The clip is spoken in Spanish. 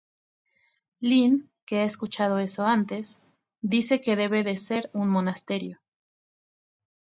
Lynn, que ha escuchado eso antes, dice que debe de ser un monasterio.